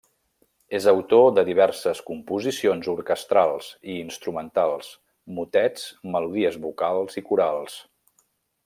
És autor de diverses composicions orquestrals i instrumentals, motets, melodies vocals i corals.